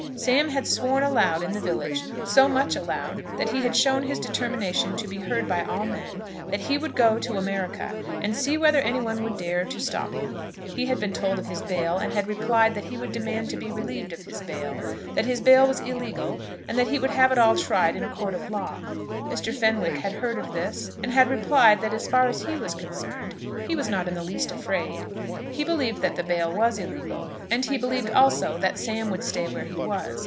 Sam had sworn aloud in the village so much aloud that he had shown his determination to be heard by all men that he would go to America, and see whether anyone would dare to stop him. He had been told of his bail, and had replied that he would demand to be relieved of his bail; that his bail was illegal, and that he would have it all tried in a court of law. Mr. Fenwick had heard of this, and had replied that as far as he was concerned he was not in the least afraid. He believed that the bail was illegal, and he believed also that Sam would stay where he was.